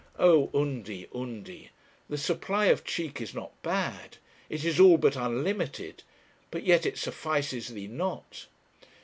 Oh, Undy, Undy, the supply of cheek is not bad; it is all but unlimited; but yet it suffices thee not.